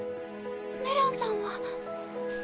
メランさんは？